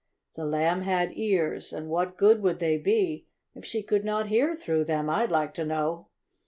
The Lamb had ears, and what good would they be if she could not hear through them, I'd like to know?